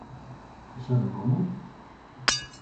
¿E saben como?